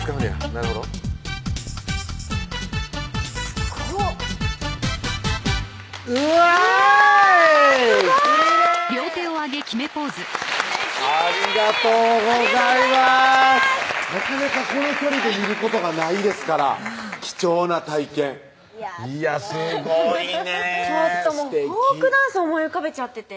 なかなかこの距離で見ることがないですから貴重な体験いやすごいねすてき